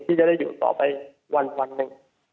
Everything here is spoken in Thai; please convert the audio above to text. ที่จะได้อยู่ต่อไปวันหนึ่ง